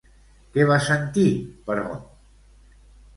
Què va sentir, però?